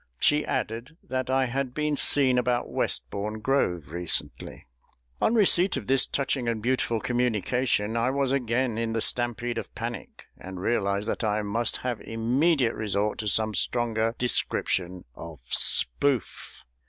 She added, that I had been seen about Westbourne Grove recently. On receipt of this touching and beautiful communication I was again in the stampede of panic, and realised that I must have immediate resort to some stronger description of "Spoof."